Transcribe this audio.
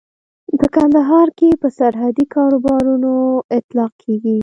په کندهار کې پر سرحدي کاروباريانو اطلاق کېږي.